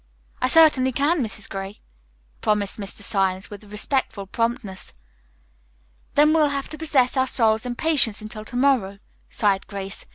"I certainly can, Mrs. Gray," promised Mr. Symes with respectful promptness. "Then we'll have to possess our souls in patience until to morrow," sighed Grace.